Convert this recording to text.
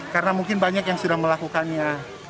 karena mungkin banyak yang sudah melakukannya